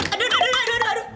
aduh aduh aduh aduh aduh